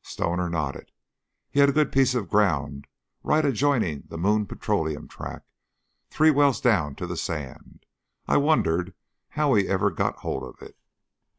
'" Stoner nodded. "He had a good piece of ground, right adjoining the Moon Petroleum tract three wells down to the sand. I wondered how he ever got hold of it."